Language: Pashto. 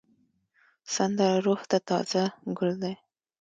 سندره روح ته تازه ګل دی